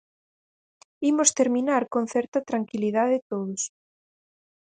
Imos terminar con certa tranquilidade todos.